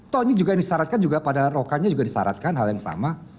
tau ini juga disaratkan padahal rokanya juga disaratkan hal yang sama